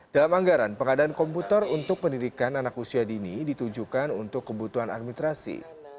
dalam anggaran pengadaan komputer untuk pendidikan anak usia dini ditujukan untuk kebutuhan administrasi